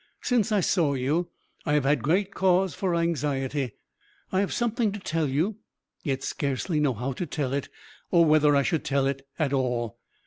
"Since I saw you I have had great cause for anxiety. I have something to tell you, yet scarcely know how to tell it, or whether I should tell it at all.